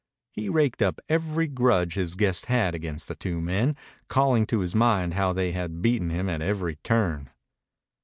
He raked up every grudge his guest had against the two men, calling to his mind how they had beaten him at every turn.